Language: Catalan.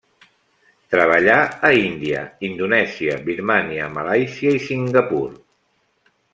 Treballà a Índia, Indonèsia, Birmània, Malàisia i Singapur.